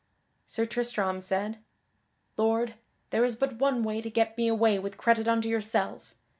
Sir Tristram said: "Lord, there is but one way to get me away with credit unto yourself.